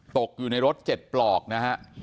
ตกอยู่ในรถ๗ปลอกนะฮะ